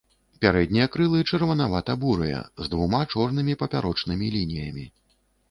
Пярэднія крылы чырванавата-бурыя, з двума чорнымі папярочнымі лініямі.